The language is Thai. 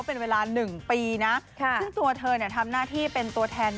เป็นเวลา๑ปีนะซึ่งตัวเธอเนี่ยทำหน้าที่เป็นตัวแทน